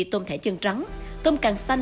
tôm thẻ chân trắng tôm cằn xanh